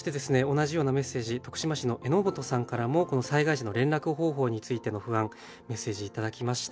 同じようなメッセージ徳島市の榎本さんからもこの災害時の連絡方法についての不安メッセージ頂きました。